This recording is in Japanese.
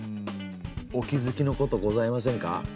お気づきのことございませんか？